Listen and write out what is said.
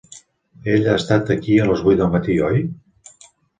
Ell ha estat aquí a les vuit del matí, oi?